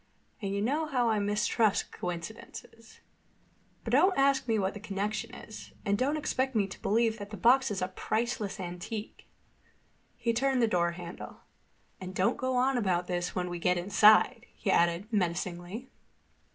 And you know how I mistrust coincidences. But don't ask me what the connection is. And don't expect me to believe that the box is a priceless antique." He turned the door handle. "And don't go on about this when we get inside," he added menacingly.